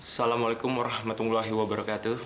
assalamualaikum warahmatullahi wabarakatuh